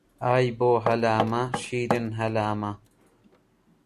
ئای بۆ هەلامە شیرین هەلامە